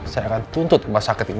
saya akan tuntut rumah sakit ini